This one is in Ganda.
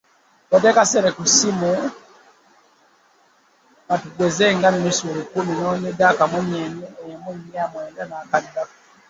Oteekako ssente ku ssimu katugeze nga nnusu lukumi n’onyige akamunyeenye emu nnya mwenda n'akaddaala.